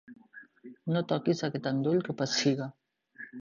No toquis aquest endoll, que pessiga.